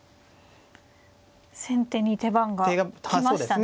先手に手番が来ましたね。